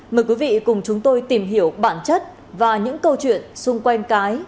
mời quý vị cùng chúng tôi tìm hiểu bản chất và những câu chuyện xung quanh cái